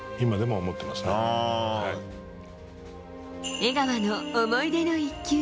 江川の思い出の１球。